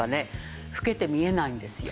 老けて見えないんですよ。